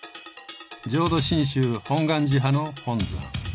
浄土真宗本願寺派の本山。